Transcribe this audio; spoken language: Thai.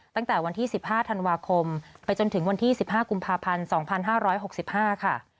ตั้งแต่วันที่๑๕ธันวาคมไปจนถึงวันที่๑๕กุมภาพันธ์๒๕๖๕ค่ะ